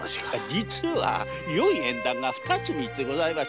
実はよい縁談が二つ三つございましてな。